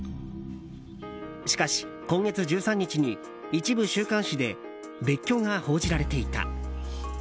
しかし今月１３日に一部週刊誌で別居が報じられていた。